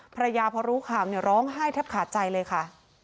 พระยาพระรุขามร้องไห้ทับขาดใจเลยค่ะ